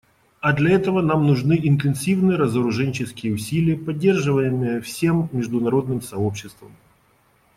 А для этого нам нужны интенсивные разоруженческие усилия, поддерживаемые всем международным сообществом.